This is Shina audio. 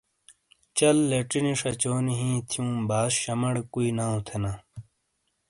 چَل لیچی نی شاچونی ہِیں تھیوں باس شمَاڑے کُوئی ناؤ تھینا۔